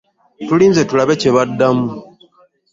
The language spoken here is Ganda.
Tulinze tulabe kye babaddamu.